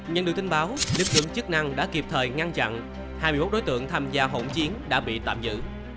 nhận được tin báo lực lượng chức năng đã kịp thời ngăn chặn hai mươi một đối tượng tham gia hỗn chiến đã bị tạm giữ